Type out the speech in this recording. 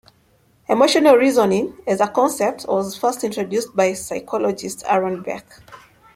Emotional reasoning, as a concept, was first introduced by psychologist Aaron Beck.